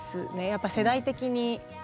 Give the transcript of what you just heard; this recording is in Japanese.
やっぱ世代的に。